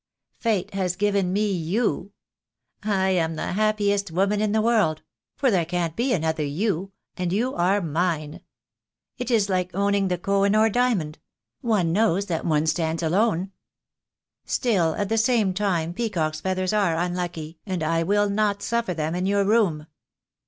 Fate has given me you. I am the happiest woman in the world — for there can't be another you, and you are mine. It is like owning the Kohinoor diamond; one knows that one stands alone. THE DAY WILL COME. 47 Still, all the same, peacock's feather's are unlucky, and I will not suffer them in your room."